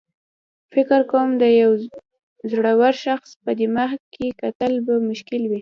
فکر کوم د یو زړور شخص په دماغ کې کتل به مشکل وي.